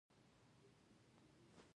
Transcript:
د نورو په مسایلو به یې د خېر هڅه کوله.